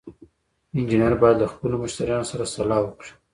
انجینر باید له خپلو مشتریانو سره سلا وکړي.